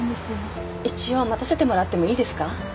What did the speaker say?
一応待たせてもらってもいいですか？